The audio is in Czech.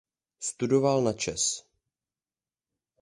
Studoval na čes.